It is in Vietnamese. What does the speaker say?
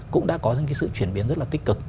cũng đã có những cái sự chuyển biến rất là tích cực